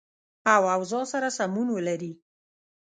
او اوضاع سره سمون ولري